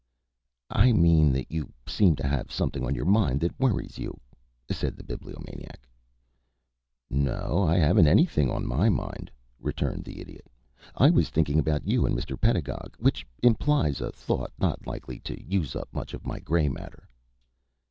"I mean that you seem to have something on your mind that worries you," said the Bibliomaniac. "No, I haven't anything on my mind," returned the Idiot. "I was thinking about you and Mr. Pedagog which implies a thought not likely to use up much of my gray matter."